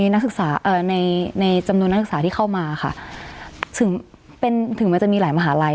ในจำนวนนักศึกษาที่เข้ามาค่ะถึงมันจะมีหลายมหาลัย